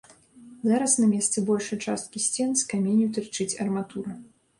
Зараз на месцы большай часткі сцен з каменю тырчыць арматура.